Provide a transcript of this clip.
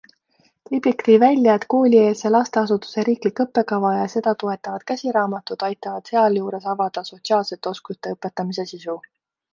Liblik tõi välja, et koolieelse lasteasutuse riiklik õppekava ja seda toetavad käsiraamatud aitavad sealjuures avada sotsiaalsete oskuste õpetamise sisu.